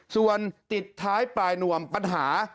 ส่วนติดท้ายปลายนวมปัญหา